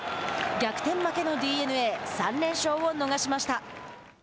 逆転負けのＤｅＮＡ３連勝を逃しました。